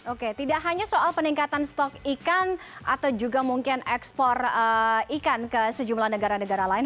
oke tidak hanya soal peningkatan stok ikan atau juga mungkin ekspor ikan ke sejumlah negara negara lain